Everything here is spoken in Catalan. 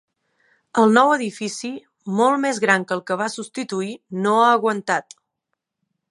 El nou edifici, molt més gran que el que va substituir, no ha aguantat.